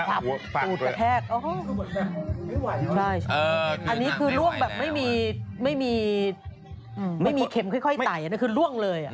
ทับตูดกระแทกโอ้โหใช่อันนี้คือร่วงแบบไม่มีเข็มค่อยไตน่ะคือร่วงเลย